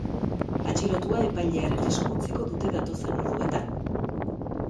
Atxilotua epailearen esku utziko dute datozen orduetan.